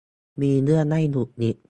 มีเรื่องให้หงุดหงิด